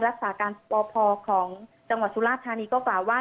รักษาการปพของจังหวัดสุราธานีก็กล่าวว่า